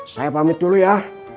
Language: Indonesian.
saya pamit dulu ya